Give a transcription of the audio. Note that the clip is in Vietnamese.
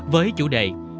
với chủ đề